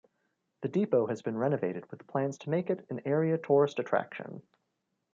The depot has been renovated with plans to make it an area tourist attraction.